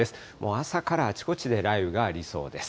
朝からあちこちで雷雨がありそうです。